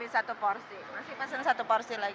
satu porsi masih pesan satu porsi lagi